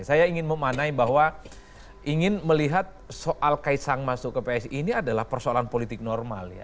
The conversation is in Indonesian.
saya ingin memanai bahwa ingin melihat soal kaisang masuk ke psi ini adalah persoalan politik normal ya